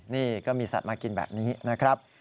นี่ก็มีสัตว์มากินแบบนี้นะครับ